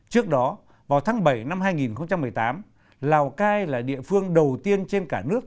trước đó vào tháng bảy năm hai nghìn một mươi tám lào cai là địa phương đầu tiên trên cả nước